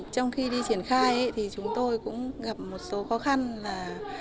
trong khi đi triển khai thì chúng tôi cũng gặp một số khó khăn và